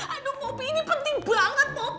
aduh poppy ini penting banget poppy